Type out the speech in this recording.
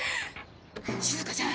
しずかちゃん。